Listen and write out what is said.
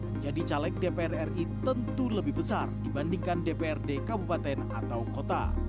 menjadi caleg dpr ri tentu lebih besar dibandingkan dprd kabupaten atau kota